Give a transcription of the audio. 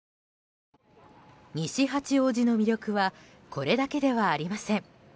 西八王子の魅力はこれだけではありません。